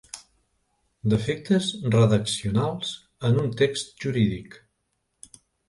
Defectes redaccionals en un text jurídic.